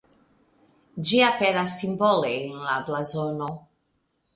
Ĝi aperas simbole en la blazono.